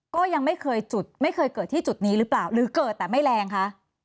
ก็ยังไม่เคยจุดไม่เคยเกิดที่จุดนี้หรือเปล่าหรือเกิดแต่ไม่แรงคะ